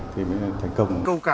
thì mới thành công